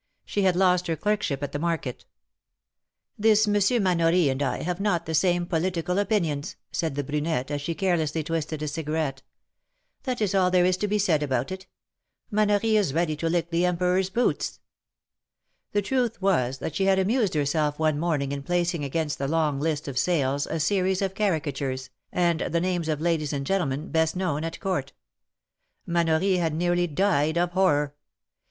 She had lost her clerkship at the market. THE MAEKETS OF PARIS. 259 ^^This Monsieur Manory and I have not the same political opinions/^ said the brunette, as she carelessly twisted a cigarette. That is all there is to be said about it. Manory is ready to lick the emperor's boots." The truth was that she had amused herself one morning in placing against the long list of sales a series of caricatures, and the names of ladies and gentlemen best known at court. Manory had nearly died of horror.